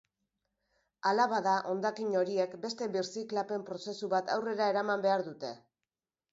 Hala bada, hondakin horiek beste birziklapen prozesu bat aurrera eraman behar dute.